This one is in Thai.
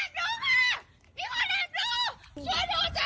ของเฮียดูหนูค่ะพอแล้วพอแล้วจับ